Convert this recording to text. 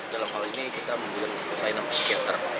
sehingga kemudian kita membutuhkan pelayanan psikiater